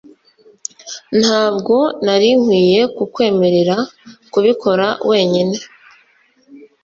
Ntabwo nari nkwiye kukwemerera kubikora wenyine.